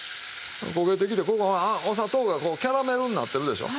焦げてきてここお砂糖がこうキャラメルになってるでしょう。